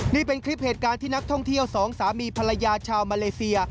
นี่เป็นคลิปเหตุการณ์ที่นักท่องเที่ยวสองสามีภรรยาชาวมาเลเซีย